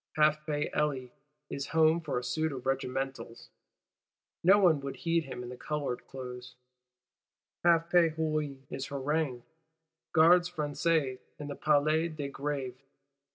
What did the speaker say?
Half pay Elie is home for a suit of regimentals; no one would heed him in coloured clothes: half pay Hulin is haranguing Gardes Françaises in the Place de Grève.